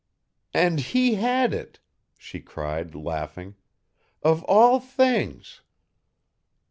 "And he had it!" she cried, laughing. "Of all things!"